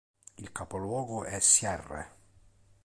Il capoluogo è Sierre.